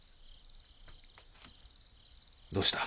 どうした？